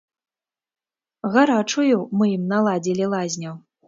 Гарачую мы ім наладзілі лазню.